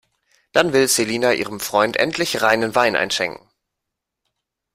Dann will Selina ihrem Freund endlich reinen Wein einschenken.